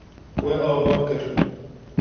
We ava kir.